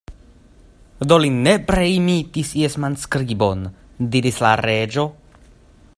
"Do, li nepre imitis ies manskribon," diris la Reĝo.